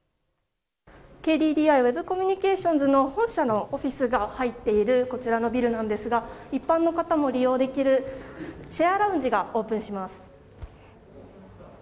ウェブコミュニケーションズの本社のオフィスが入っているこちらのビルなんですが一般の方も利用できるシェアラウンジがオープンします。